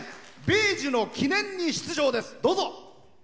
米寿の記念に出場です。